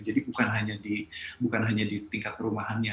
jadi bukan hanya di tingkat perumahannya